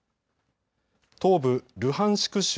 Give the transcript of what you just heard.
東部ルハンシク